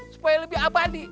supaya lebih abadi